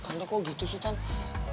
tante tante kok gitu sih tante